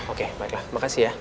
oke baiklah makasih ya